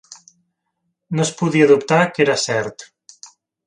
No es podia dubtar que era cert.